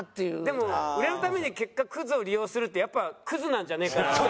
でも売れるために結果クズを利用するってやっぱクズなんじゃねえかなって。